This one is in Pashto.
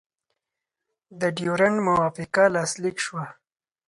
د ډیورنډ موافقه لاسلیک شوه.